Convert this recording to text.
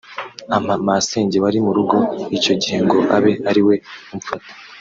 ampa masenge wari mu rugo icyo gihe ngo abe ariwe umfata